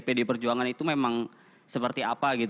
pd perjuangan itu memang seperti apa gitu